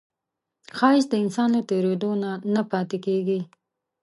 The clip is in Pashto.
ښایست د انسان له تېرېدو نه نه پاتې کېږي